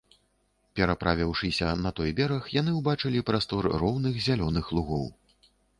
Пераправіўшыся на той бераг, яны ўбачылі прастор роўных зялёных лагоў.